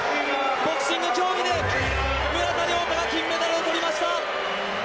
ボクシング競技で村田諒太が金メダルを取りました。